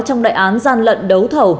trong đại án gian lận đấu thầu